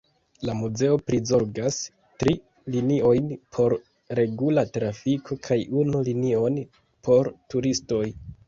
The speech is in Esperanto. La muzeo prizorgas tri liniojn por regula trafiko kaj unu linion por turistoj.